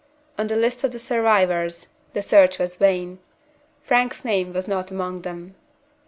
On the list of the survivors, the search was vain. Frank's name was not among them.